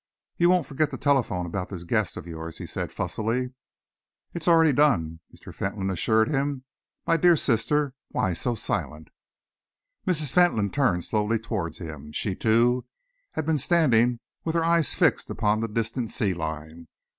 "You won't forget to telephone about this guest of yours?" he asked fussily. "It is already done," Mr. Fentolin assured him. "My dear sister, why so silent?" Mrs. Fentolin turned slowly towards him. She, too, had been standing with her eyes fixed upon the distant sea line.